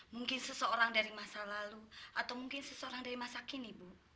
mungkin seseorang dari masa lalu atau mungkin seseorang dari masa kini bu